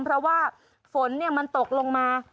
เพราะว่าฝนมันตกลงมา